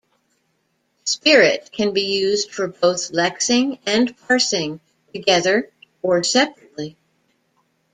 Spirit can be used for both lexing and parsing, together or separately.